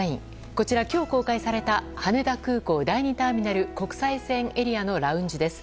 こちら、今日公開された羽田空港第２ターミナル国際線エリアのラウンジです。